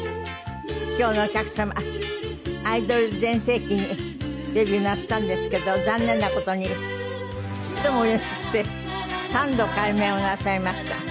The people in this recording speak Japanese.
今日のお客様アイドル全盛期にデビューなすったんですけど残念な事にちっとも売れなくて三度改名をなさいました。